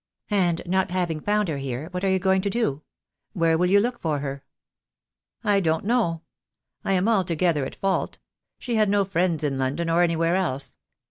"And not having found her here, what are you going to do? Where will you look for her?" "I don't know. I am altogether at fault. She had no friends in London, or anywhere else.